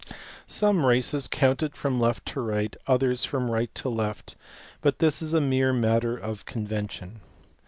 Some races counted from left to right, others from right to left, but this is a mere matter of convention.